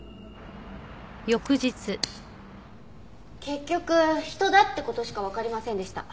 結局人だって事しかわかりませんでした。